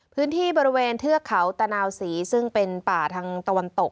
พื้นที่บริเวณเทือกเขาตะนาวศรีซึ่งเป็นป่าทางตะวันตก